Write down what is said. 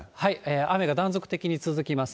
雨が断続的に続きます。